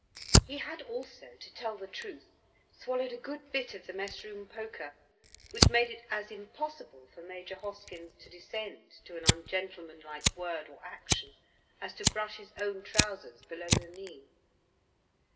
He had also, to tell the truth, swallowed a good bit of the mess room poker, which made it as impossible for Major Hoskyns to descend to an ungentlemanlike word or action as to brush his own trousers below the knee.